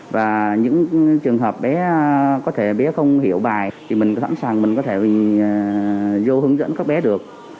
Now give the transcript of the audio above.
và những trường hợp bé có thể bé không hiểu bài thì mình sẵn sàng mình có thể mình vô hướng dẫn các bé được